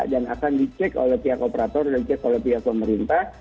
dan akan dicek oleh pihak operator dan dicek oleh pihak pemerintah